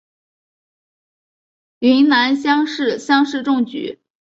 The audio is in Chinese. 云南乡试乡试中举。